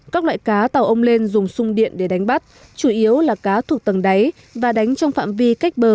các loại cá tàu ông lên dùng sung điện để đánh bắt chủ yếu là cá thuộc tầng đáy và đánh trong phạm vi cách bờ